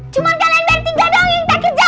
cuma kalian beri tiga doang yang tak kerja